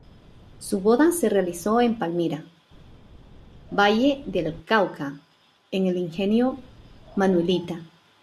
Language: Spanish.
Su boda se realizó en Palmira, Valle del Cauca, en el Ingenio Manuelita.